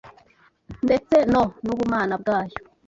ndtse no n’ubumana bwayo,